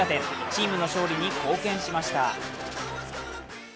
チームの勝利に貢献しました。